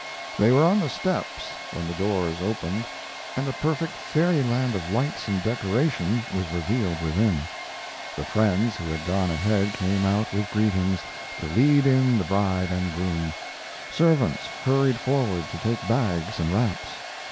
They were on the steps when the doors opened, and a perfect fairyland of lights and decoration was revealed within. The friends who had gone ahead came out with greetings, to lead in the bride and groom. Servants hurried forward to take bags and wraps.